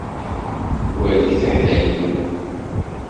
Wali tiḥdayin.